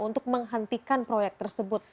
untuk menghentikan proyek tersebut